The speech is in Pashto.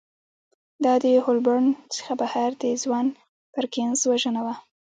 دا د هولبورن څخه بهر د ځوان پرکینز وژنه وه